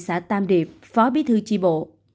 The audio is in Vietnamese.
tỉnh hà nam ninh phó bí thư chi bộ